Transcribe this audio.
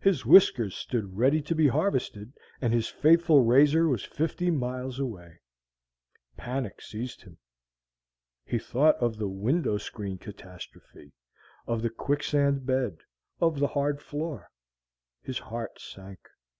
His whiskers stood ready to be harvested, and his faithful razor was fifty miles away! Panic seized him. He thought of the window screen catastrophe, of the quicksand bed, of the hard floor; his heart sank.